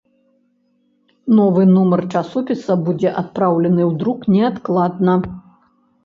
Новы нумар часопіса будзе адпраўлены ў друк неадкладна.